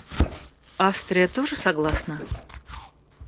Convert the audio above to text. Австрия тоже согласна?